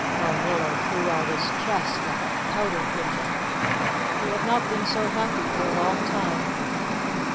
Balnillo threw out his chest like a pouter pigeon. He had not been so happy for a long time.